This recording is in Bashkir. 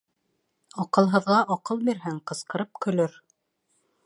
Аҡылһыҙға аҡыл бирһәң, ҡысҡырып көлөр!